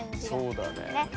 そうだね。